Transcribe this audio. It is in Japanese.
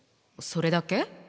それだけ？